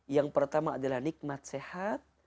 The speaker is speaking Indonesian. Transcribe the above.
yang pertama adalah nikmat sehat